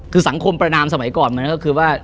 คือสังคมประนามสมัยก่อนมันก็คือว่า